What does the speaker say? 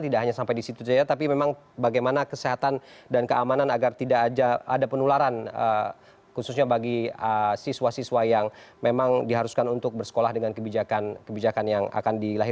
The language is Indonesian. tidak hanya sampai di situ saja tapi memang bagaimana kesehatan dan keamanan agar tidak ada penularan khususnya bagi siswa siswa yang memang diharuskan untuk bersekolah dengan kebijakan kebijakan yang akan dilahirkan